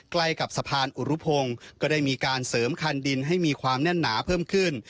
ใกล้กับสะพานอุรุพงศ์ก็ได้มีการเสริมคันดินให้มีความแน่นหนาเพิ่มขึ้น